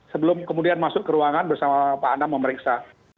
sebelum kemudian masuk ke ruangan bersama pak anam memeriksa